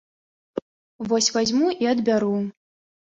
Вось вазьму і адбяру.